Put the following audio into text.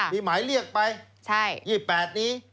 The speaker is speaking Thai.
มีหมายเรียกไป๒๘นี้